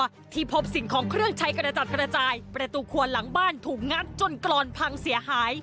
ที่พบสิ่งของเครื่องใช้กระจัดกระจายประตูครัวหลังบ้านถูกงัดจนกรอนพังเสียหาย